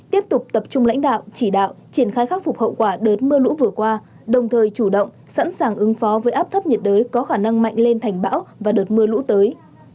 tiếp tục tập trung lãnh đạo chỉ đạo triển khai khắc phục hậu quả đợt mưa lũ vừa qua đồng thời chủ động sẵn sàng ứng phó với áp thấp nhiệt đới có khả năng mạnh lên thành bão và đợt mưa lũ tới